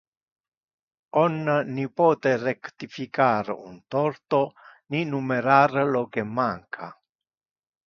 On ni pote rectificar un torto, ni numerar lo que manca.